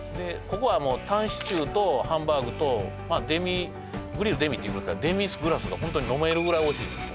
ここはもうタンシチューとハンバーグとグリルデミって言うぐらいデミグラスがホントに飲めるぐらいおいしいんですよ